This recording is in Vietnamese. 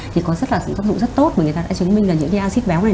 thì có tác dụng rất tốt và người ta đã chứng minh là những cái acid béo này